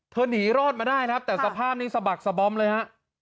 เธอหนีรอดมาได้แต่สภาพนี้สะบักสะบ้อมเลย